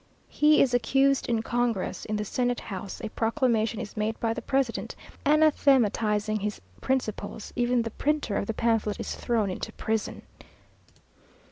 He is accused in Congress in the senate house a proclamation is made by the president, anathematizing his principles even the printer of the pamphlet is thrown into prison.